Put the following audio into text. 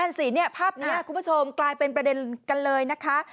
สิเนี่ยภาพนี้คุณผู้ชมกลายเป็นประเด็นกันเลยนะคะ